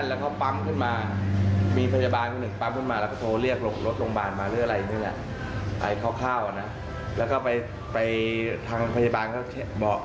แล้วไม่หยุดเต้นที่สวนดอกอีกครั้งแล้วก็ปั๊มขึ้นมา